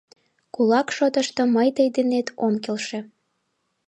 Кулак шотышто мый тый денет ом келше.